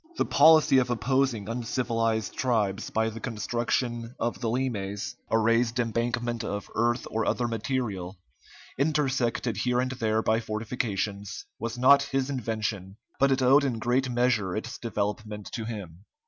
The policy of opposing uncivilized tribes by the construction of the limes, a raised embankment of earth or other material, intersected here and there by fortifications, was not his invention, but it owed in great measure its development to him.